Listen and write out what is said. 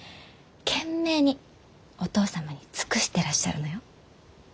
懸命にお父様に尽くしてらっしゃるのよ。